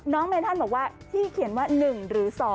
เมธันบอกว่าที่เขียนว่า๑หรือ๒